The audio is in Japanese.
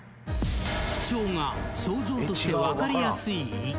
「不調が症状として分かりやすい胃」